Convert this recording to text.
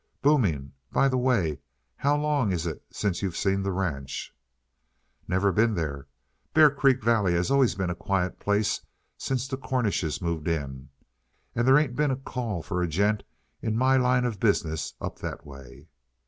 "Booming. By the way, how long is it since you've seen the ranch?" "Never been there. Bear Creek Valley has always been a quiet place since the Cornishes moved in; and they ain't been any call for a gent in my line of business up that way."